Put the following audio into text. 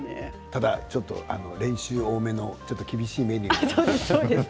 ただちょっと練習多めの厳しいメニューに。